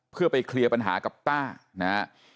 เพื่อไปเคลียร์ปัญหากับต้านะฮะ